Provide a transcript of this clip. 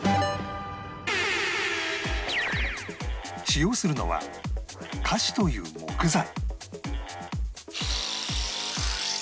使用するのはカシという木材